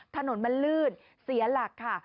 ถนนมันลื่นเสียหลักค่ะ